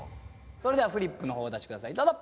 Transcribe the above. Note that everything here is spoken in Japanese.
それではフリップのほうお出し下さいどうぞ。